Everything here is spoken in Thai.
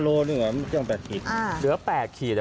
ถึงแปดขีด